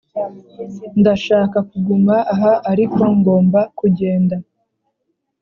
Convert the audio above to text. ndashaka kuguma aha ariko ngomba kugenda.